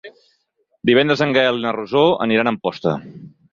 Divendres en Gaël i na Rosó aniran a Amposta.